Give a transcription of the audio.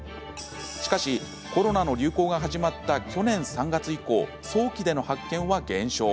しかし、コロナの流行が始まった去年３月以降早期での発見は減少。